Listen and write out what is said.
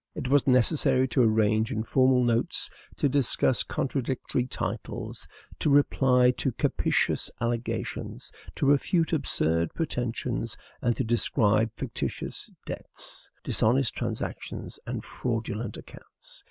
It was necessary to arrange informal notes, to discuss contradictory titles, to reply to captious allegations, to refute absurd pretensions, and to describe fictitious debts, dishonest transactions, and fraudulent accounts.